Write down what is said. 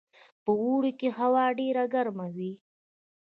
په اوړي کې هوا ډیره ګرمه وي